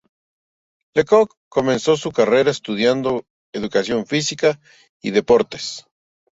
Lecoq comenzó su carrera estudiando educación física y deporte.